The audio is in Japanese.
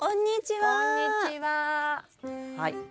はい。